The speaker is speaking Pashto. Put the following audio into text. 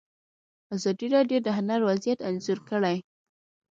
ازادي راډیو د هنر وضعیت انځور کړی.